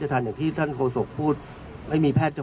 คุณผู้ชมพาที่ตั้งโต๊ะแถวกันอยู่ก็มีทั้งตัว